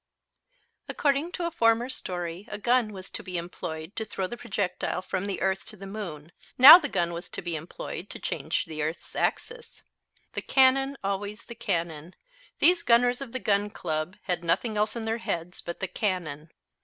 According to a former story a gun was to be employed to throw the projectile from the earth to the moon; now the gun was to be employed to change the earth's axis. The cannon, always the cannon; these gunners of the Gun Club had nothing else in their heads but the cannon.